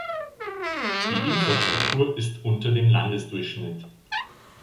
Die Infrastruktur ist unter dem Landesdurchschnitt.